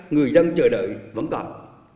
người dân chờ đợi vẫn còn